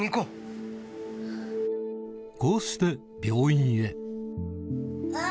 こうして病院へあ！